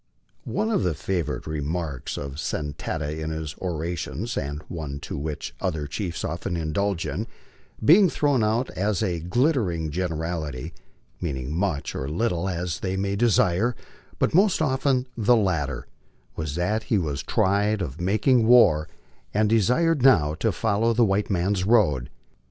One of the favorite remarks of Sa tan ta in his orations, and one too which other chiefs often indulge in, being thrown out as a "glittering generality," meaning much or little as they may desire, but most often the latter, was that he was tired of making war and de sired now " to follow tne white man's road.